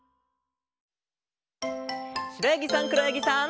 しろやぎさんくろやぎさん。